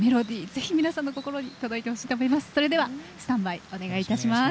ぜひ皆さんの心に届いてほしいと思います。